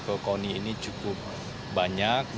ke koni ini cukup banyak